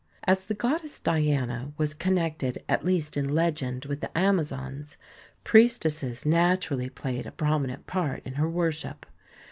As the goddess Diana was connected at least in legend with the Amazons, priestesses naturally played a prominent part in her worship.